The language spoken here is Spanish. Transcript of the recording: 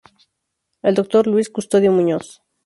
El Dr. Luis Custodio Muñoz.